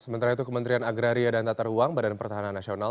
sementara itu kementerian agraria dan tataruang badan pertahanan nasional